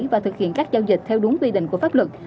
và thực hiện các giao dịch theo đúng quy định của pháp luật